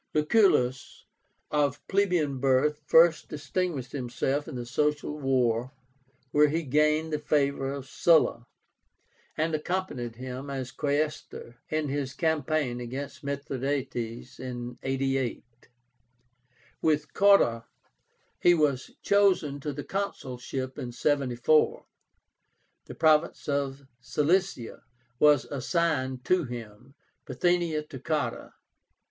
Lucullus, of plebeian birth, first distinguished himself in the Social War, where he gained the favor of Sulla, and accompanied him, as Quaestor, in his campaign against Mithradátes in 88. With Cotta he was chosen to the consulship in 74. The province of Cilicia was assigned to him, Bithynia to Cotta.